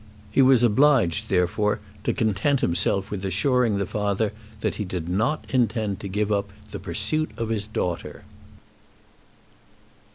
He was obliged therefore to content himself with assuring the father that he did not intend to give up the pursuit of his daughter.